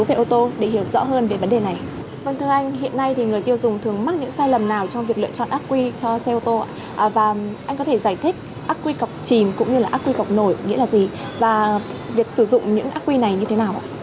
và việc sử dụng những ác quy này như thế nào